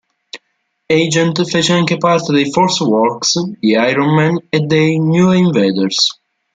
Agent fece anche parte dei Force Works di Iron Man e dei New Invaders.